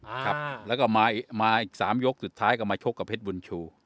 ครับแล้วก็มาอีกมาอีกสามยกสุดท้ายก็มาชกกับเพชรบุญชู